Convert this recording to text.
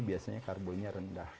biasanya karbonya rendah